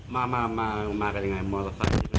มามากันยังไงมอเตอร์ไซค์